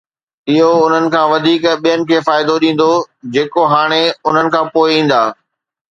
اھو انھن کان وڌيڪ ٻين کي فائدو ڏيندو“ جيڪي ھاڻي انھن کان پوءِ ايندا.